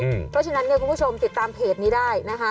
เพราะฉะนั้นเนี่ยคุณผู้ชมติดตามเพจนี้ได้นะคะ